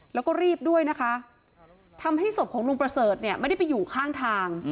แล้วก็รีบด้วยนะคะทำให้ศพของลุงประเสริฐเนี่ยไม่ได้ไปอยู่ข้างทาง